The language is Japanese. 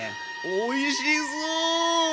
おいしそう！